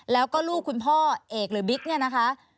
แล้วก็ลูกคุณพ่อเอกหรือบิ๊กเนี่ยนะคะ